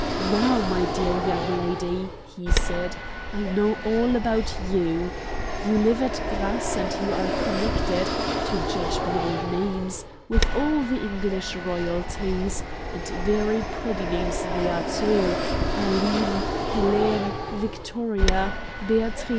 "Now, my dear young lady," he said, "I know all about YOU. You live at Grasse, and you are connected, to judge by your names, with all the English royalties; and very pretty names they are, too Aline, Helene, Victoria, Beatrix.